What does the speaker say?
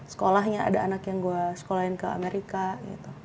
sekolahnya ada anak yang gue sekolahin ke amerika gitu